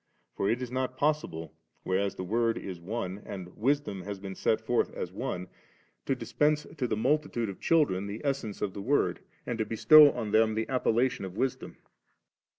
For it is not possible, whereas the Word is one, and Wisdom has been set forth as one^ to dispense to the multitude of children the Essence of the Word, and to bestow on them the appellation of Wisdom.'